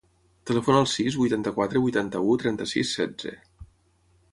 Telefona al sis, vuitanta-quatre, vuitanta-u, trenta-sis, setze.